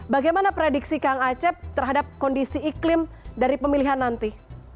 bagaimana prediksi kang acep terhadap kondisi iklim dari pemilihan nanti